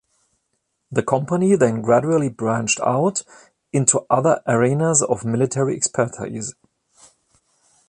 The company then gradually branched out into other arenas of military expertise.